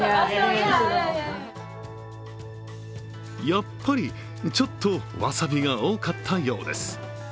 やっぱり、ちょっとワサビが多かったようです。